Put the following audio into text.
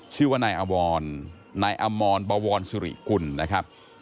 ชื่อว่านายอมรนายอมรบวรสุริกุลนะครับ